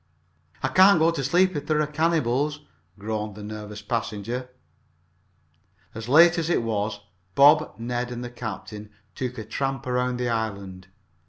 "I can't go to sleep if there are cannibals," groaned the nervous passenger. As late as it was, Bob, Ned and the captain took a tramp around the island.